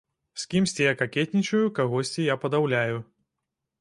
З кімсьці я какетнічаю, кагосьці я падаўляю.